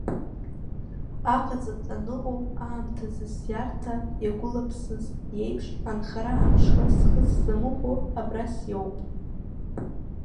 Аҟаҵатә аныҟоу аамҭазы зиарҭа иагәылаԥсыз иеиԥш, анхара амшха схы сзамыхәо абра сиоуп!